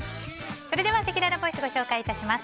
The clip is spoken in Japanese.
それではせきららボイスご紹介していきます。